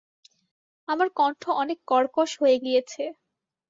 আমার কণ্ঠ অনেক কর্কশ হয়ে গিয়েছে।